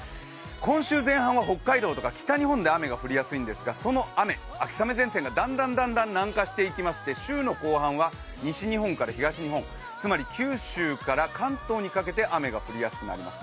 今週前半は北海道や北日本で雨が降りやすいんですが、その雨、秋雨前線がだんだん南下していきまして週後半は西日本から東日本、つまり九州から関東にかけて雨が降りやすくなります。